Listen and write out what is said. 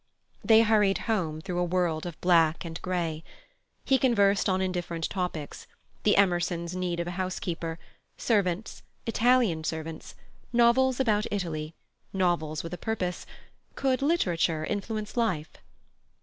They hurried home through a world of black and grey. He conversed on indifferent topics: the Emersons' need of a housekeeper; servants; Italian servants; novels about Italy; novels with a purpose; could literature influence life?